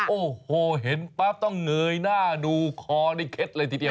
โอ้โหเห็นปั๊บต้องเงยหน้าดูคอนี่เคล็ดเลยทีเดียว